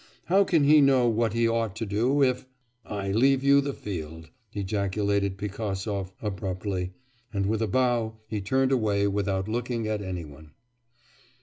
How can he know what he ought to do, if ' 'I leave you the field,' ejaculated Pigasov abruptly, and with a bow he turned away without looking at any one.